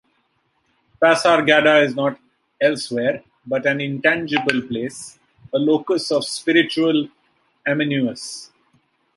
Passargada is not elsewhere, but an intangible place, a locus of spiritual amenus.